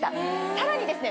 さらにですね